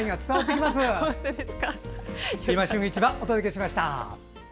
「いま旬市場」お届けしました。